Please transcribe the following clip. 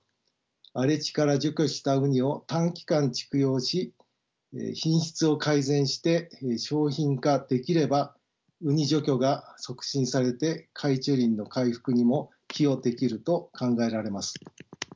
荒れ地から除去したウニを短期間蓄養し品質を改善して商品化できればウニ除去が促進されて海中林の回復にも寄与できると考えられます。